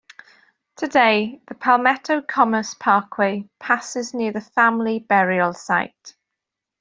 Today the Palmetto Commerce Parkway passes near the family burial site.